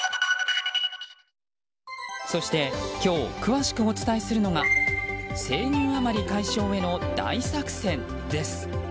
そして今日詳しくお伝えするのが生乳余り解消への大作戦です。